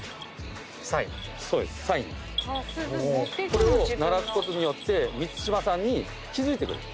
これを鳴らすことによって満島さんに気付いてくれる。